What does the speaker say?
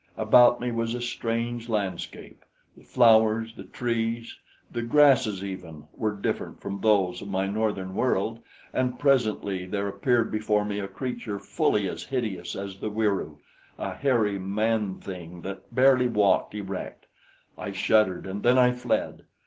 About me was a strange landscape the flowers, the trees, the grasses, even, were different from those of my northern world, and presently there appeared before me a creature fully as hideous as the Wieroo a hairy manthing that barely walked erect. I shuddered, and then I fled.